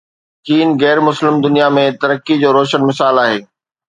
چين غير مسلم دنيا ۾ ترقي جو روشن مثال آهي.